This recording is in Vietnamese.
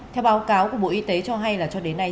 theo báo cáo của bộ y tế cho hay là cho đến nay